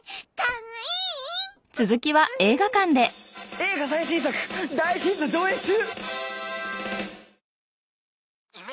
映画最新作大ヒット上映中！